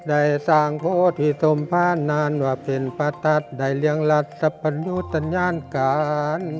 ได้สร้างโพธิสมภาษณ์นานวะเป็นประทัศน์ได้เลี้ยงรัฐสัพพายุสัญญาณการ